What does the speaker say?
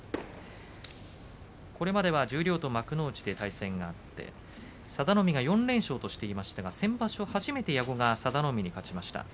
これまでは十両と幕内で対戦があって佐田の海は４連勝としていましたが、先場所初めて矢後は佐田の海に勝ちました。